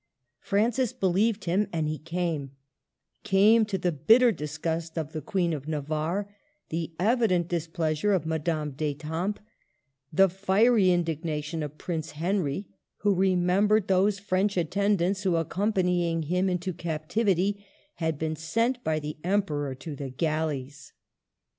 Francis believed him, and he came, — came, to the bitter disgust of the Queen of Navarre, the evident displeasure of Madame d'Etampes, the fiery indignation of Prince Henry, who remem bered those French attendants who, accompany ing him into captivity, had been sent by the Emperor to the galleys.